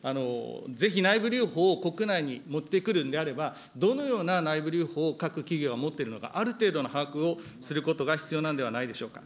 ぜひ、内部留保を国内に持ってくるんであれば、どのような内部留保を各企業は持っているのか、ある程度の把握をすることが必要なんではないでしょうか。